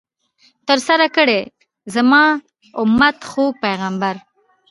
ترسره کړئ، زما امت ، خوږ پیغمبر